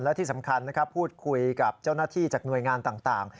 และที่สำคัญนะครับพูดคุยกับเจ้าหน้าที่จากหน่วยงานต่าง